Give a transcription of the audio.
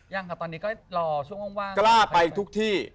เอาจำแบบเมื่อก่อนน่ากลัวหรอเถิ